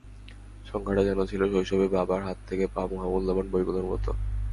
সংখ্যাটা যেন ছিল শৈশবে বাবার হাত থেকে পাওয়া মহামূল্যবান বইগুলোর মতো।